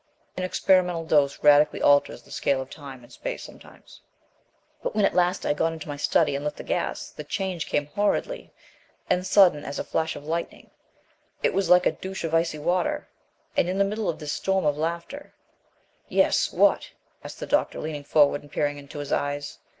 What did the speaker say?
"An experimental dose radically alters the scale of time and space sometimes " "But, when at last I got into my study and lit the gas, the change came horridly, and sudden as a flash of lightning. It was like a douche of icy water, and in the middle of this storm of laughter " "Yes; what?" asked the doctor, leaning forward and peering into his eyes.